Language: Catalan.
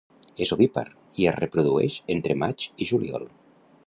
És ovípar i es reprodueix entre maig i juliol.